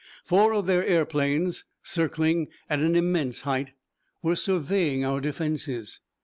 Four of their aeroplanes, circling at an immense height, were surveying our defences.